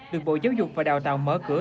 được bộ giáo dục và đào tạo mở cửa